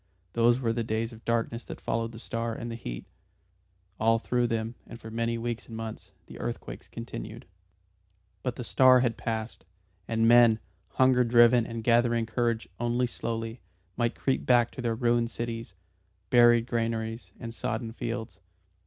Those were the days of darkness that followed the star and the heat. All through them, and for many weeks and months, the earthquakes continued. But the star had passed, and men, hunger driven and gathering courage only slowly, might creep back to their ruined cities, buried granaries, and sodden fields.